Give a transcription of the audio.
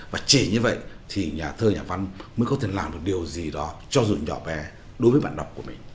và chỉ như vậy thì nhà thơ nhà văn mới có thể làm được điều gì đó cho dù nhỏ bé đối với bạn đọc của mình